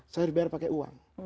saya bayar pakai uang